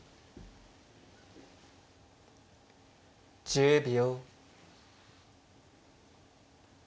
１０秒。